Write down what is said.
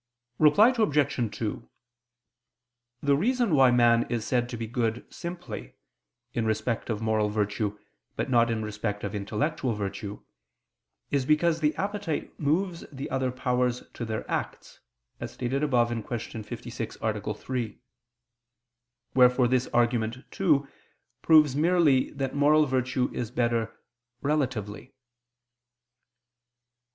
Reply Obj. 2: The reason why man is said to be good simply, in respect of moral virtue, but not in respect of intellectual virtue, is because the appetite moves the other powers to their acts, as stated above (Q. 56, A. 3). Wherefore this argument, too, proves merely that moral virtue is better relatively.